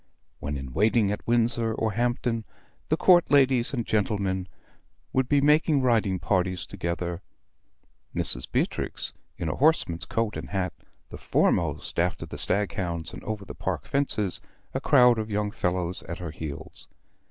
When in waiting at Windsor or Hampton, the Court ladies and gentlemen would be making riding parties together; Mrs. Beatrix in a horseman's coat and hat, the foremost after the stag hounds and over the park fences, a crowd of young fellows at her heels.